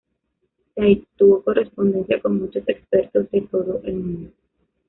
Seitz tuvo correspondencia con muchos expertos de todo el mundo.